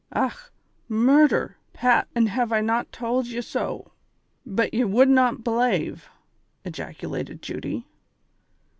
" Och, murdher, Pat, an' have I not tould ye so, but ye would not belave," ejaculated Judy.